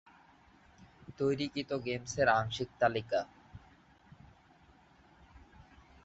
তৈরিকৃত গেমসের আংশিক তালিকা-